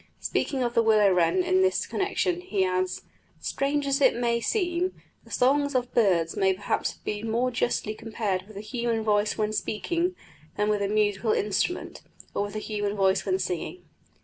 Speaking of the willow wren in this connection, he adds: "Strange as it may seem, the songs of birds may perhaps be more justly compared with the human voice when speaking, than with a musical instrument, or with the human voice when singing."